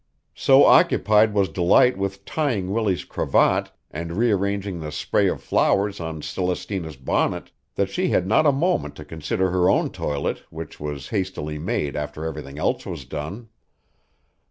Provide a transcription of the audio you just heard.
So occupied was Delight with tying Willie's cravat and rearranging the spray of flowers on Celestina's bonnet that she had not a moment to consider her own toilet which was hastily made after everything else was done.